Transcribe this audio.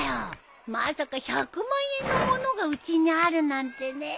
まさか１００万円の物がうちにあるなんてね。